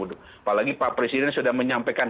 apalagi pak presiden sudah menyampaikan